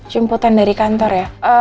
jemputan dari kantor ya